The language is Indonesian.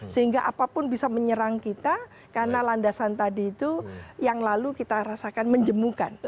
sehingga apapun bisa menyerang kita karena landasan tadi itu yang lalu kita rasakan menjemukan